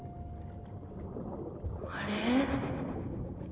あれ？